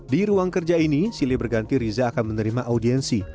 di ruang kerja ini silih berganti riza akan menerima audiensi